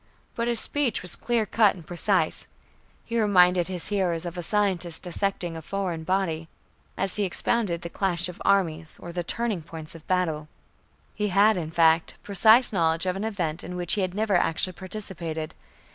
But his speech was clear cut and precise. He reminded his hearers of a scientist dissecting a foreign body, as he expounded the clash of armies or the turning points of battle. He had, in fact, precise knowledge of an event in which he had never actually participated.